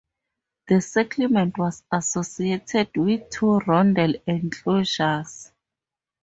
The settlement was associated with two rondel enclosures.